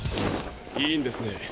いいんですね！？